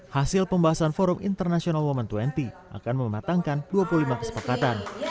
hasil pembahasan forum internasional women dua puluh akan mematangkan dua puluh lima kesepakatan